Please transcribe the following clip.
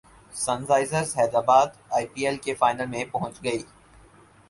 sun Risers Hyderabad I P L کے final میں پہنچ گئی